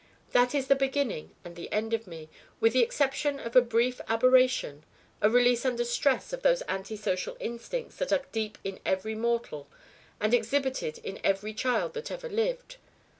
That is the beginning and the end of me, with the exception of a brief aberration a release under stress of those anti social instincts that are deep in every mortal and exhibited by every child that ever lived.